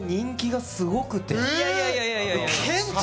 いやいやいやいや「謙杜！」